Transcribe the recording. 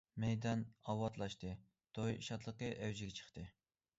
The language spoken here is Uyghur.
مەيدان ئاۋاتلاشتى، توي شادلىقى ئەۋجىگە چىقتى.